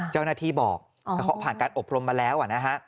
เจ้าหน้าที่บอกผ่านการอบรมมาแล้ว